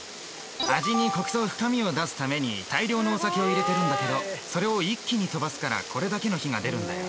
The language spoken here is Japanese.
・味にコクと深みをだすために大量のお酒を入れてるんだけどそれを一気にとばすからこれだけの火が出るんだよ